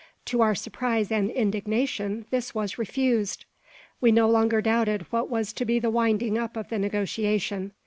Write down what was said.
To our surprise and indignation this was refused! We no longer doubted what was to be the winding up of the negotiation.